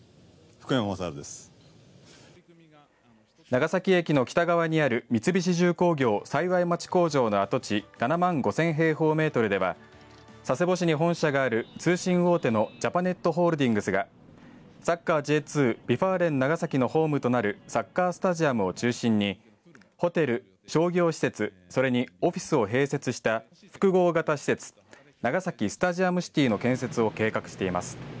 長崎駅の北側にある三菱重工業幸町工場の跡地、７万５０００平方メートルでは佐世保市に本社がある通信大手のジャパネットホールディングスがサッカーＪ２、Ｖ・ファーレン長崎のホームとなるサッカースタジアムを中心にホテル、商業施設、それにオフィスを併設した複合型施設、長崎スタジアムシティの建設を計画しています。